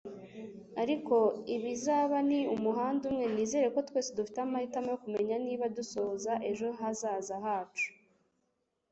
ariko ibizaba ni umuhanda umwe nizera ko twese dufite amahitamo yo kumenya niba dusohoza ejo hazaza hacu